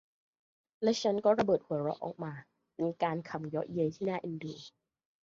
และฉันก็ระเบิดหัวเราะออกมา เป็นการขำเยาะเย้ยที่น่าเอ็นดู